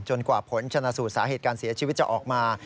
กว่าผลชนะสูตรสาเหตุการเสียชีวิตจะออกมา